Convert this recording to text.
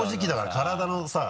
体のさ